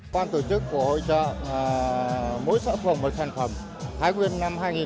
quan tổ chức của hội trợ mỗi xã phường một sản phẩm thái nguyên năm hai nghìn một mươi sáu